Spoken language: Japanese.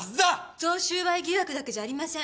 贈収賄疑惑だけじゃありません。